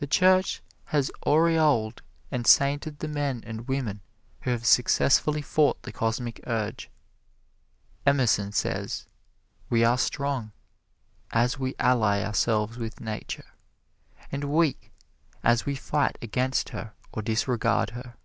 The Church has aureoled and sainted the men and women who have successfully fought the Cosmic Urge. Emerson says, "We are strong as we ally ourselves with Nature, and weak as we fight against her or disregard her."